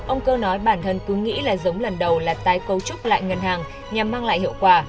ông cơ nói bản thân cứ nghĩ là giống lần đầu là tái cấu trúc lại ngân hàng nhằm mang lại hiệu quả